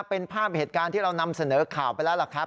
เป็นภาพเหตุการณ์ที่เรานำเสนอข่าวไปแล้วล่ะครับ